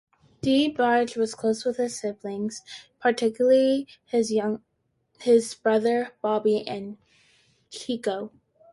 DeBarge was close to his siblings, particularly his brothers Bobby and Chico.